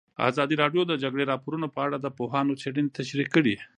ازادي راډیو د د جګړې راپورونه په اړه د پوهانو څېړنې تشریح کړې.